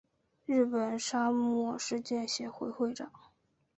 日本沙漠实践协会会长。